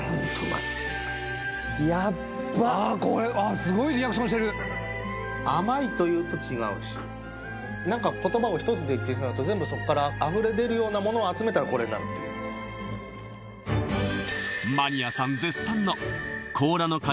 ああこれすごいリアクションしてる甘いというと違うし何か言葉を一つで言ってしまうと全部そこからあふれ出るようなものを集めたらこれになるというマニアさん絶賛の甲羅のカニ